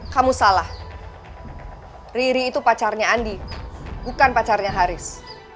kamu salah riri itu pacarnya andi bukan pacarnya haris